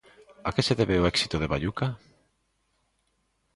A que se debe o éxito de Baiuca?